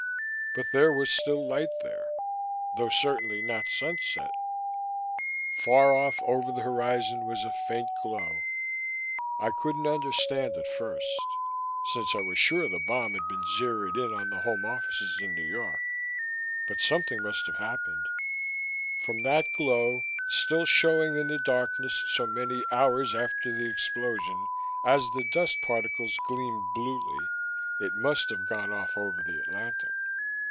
But there was still light there though certainly not sunset. Far off over the horizon was a faint glow! I couldn't understand at first, since I was sure the bomb had been zeroed in on the Home Offices in New York; but something must have happened. From that glow, still showing in the darkness so many hours after the explosion as the dust particles gleamed bluely, it must have gone off over the Atlantic.